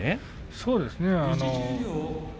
そうですね。